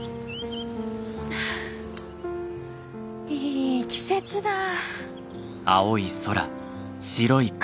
いい季節だぁ。